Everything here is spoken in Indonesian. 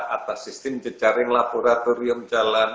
atas sistem jejaring laboratorium jalan